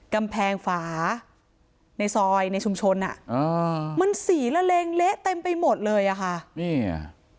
กำแพงฝาในซอยในชุมชนอ่ะอ่ามันสีละเลงเละเต็มไปหมดเลยอ่ะค่ะนี่อ่ะ